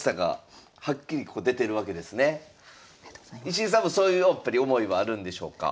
石井さんもそういうやっぱり思いはあるんでしょうか？